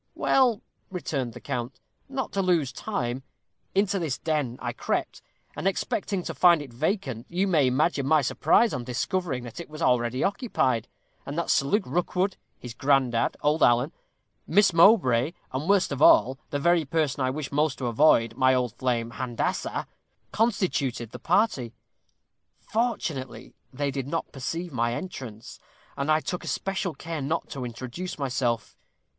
"Well," returned the count, "not to lose time, into this den I crept, and, expecting to find it vacant, you may imagine my surprise on discovering that it was already occupied, and that Sir Luke Rookwood, his granddad, old Alan, Miss Mowbray, and, worst of all, the very person I wished most to avoid, my old flame Handassah, constituted the party. Fortunately, they did not perceive my entrance, and I took especial care not to introduce myself.